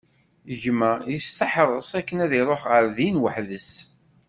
Gma yesteḥres akken ad iruḥ ɣer din weḥd-s.